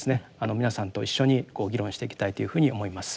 皆さんと一緒にこう議論していきたいというふうに思います。